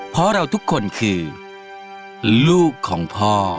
เพราะเราทุกคนคือลูกของพ่อ